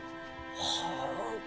はあ。